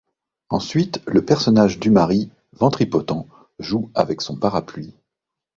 Ensuite, le personnage du mari, ventripotent, joue avec son parapluie.